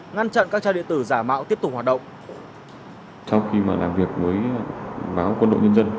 ngăn chặn các trang điện tử giả mạo tiếp tục hoạt động